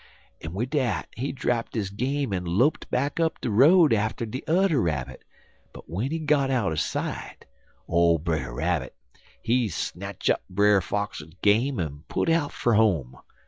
"En wid dat he drapt his game en loped back up de road atter de udder rabbit, en w'en he got outer sight, ole Brer Rabbit, he snatch up Brer Fox game en put out fer home.